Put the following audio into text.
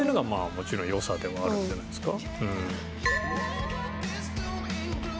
もちろん良さでもあるんじゃないですか？